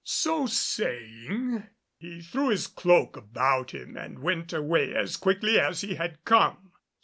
So saying he threw his cloak about him and went away as quickly as he had come.